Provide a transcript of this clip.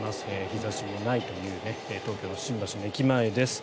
日差しもないという東京の新橋駅前です。